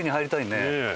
ねえ。